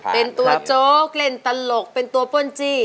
เป็นตัวโจ๊กเล่นตลกเป็นตัวป้นจี้